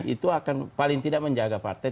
itu akan paling tidak menjaga partai